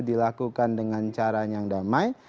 dilakukan dengan cara yang damai